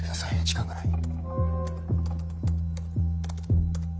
時間がない。